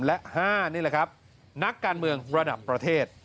และ๕นี่แหละครับนักการเมืองระดับประเทศ